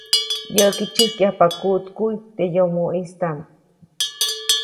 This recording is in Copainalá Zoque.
Yäʼki, tsyäjkyajpa kuʼtkuʼy teʼ yomoʼistaʼm.